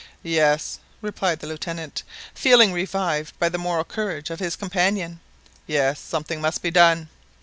"Yes," replied the Lieutenant, feeling revived by the moral courage of his companion " yes, something must be done